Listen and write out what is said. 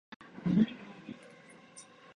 お風呂に入る